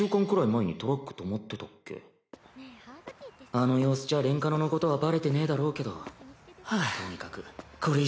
あの様子じゃレンカノのことはバレてねぇだろうけど・えっそれマジ？